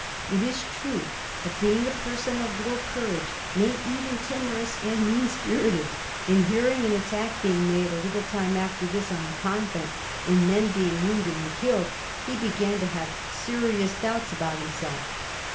It is true that, being a person of little courage, nay, even timorous and mean spirited, and hearing an attack being made a little time after this on the convent, and men being wounded and killed, he began to have serious doubts about himself.